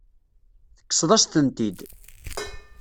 Tekkseḍ-as-tent-id.